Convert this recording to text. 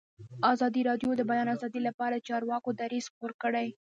ازادي راډیو د د بیان آزادي لپاره د چارواکو دریځ خپور کړی.